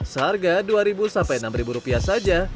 seharga dua ribu enam ribu rupiah saja